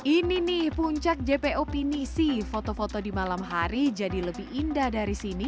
ini nih puncak jpo pinisi foto foto di malam hari jadi lebih indah dari sini